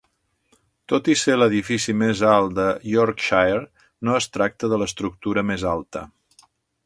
Tot i ser l'edifici més alt de Yorkshire, no es tracta de l'estructura més alta.